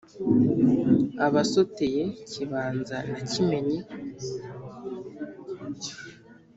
abasoteye kibanza na kimenyi,